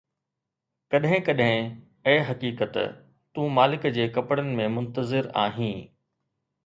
ڪڏهن ڪڏهن، اي حقيقت، تون مالڪ جي ڪپڙن ۾ منتظر آهين